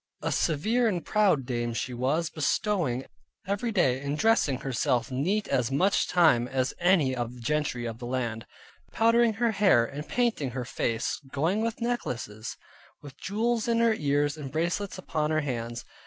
A severe and proud dame she was, bestowing every day in dressing herself neat as much time as any of the gentry of the land: powdering her hair, and painting her face, going with necklaces, with jewels in her ears, and bracelets upon her hands.